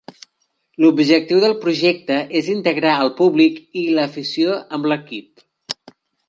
L'objectiu del projecte és integrar al públic i l'afició amb l'equip.